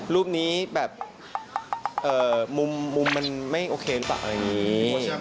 รูปนี้แบบมุมมันไม่โอเคหรือเปล่าอะไรอย่างนี้